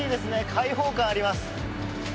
開放感があります。